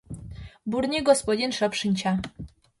Бурни господин шып шинча.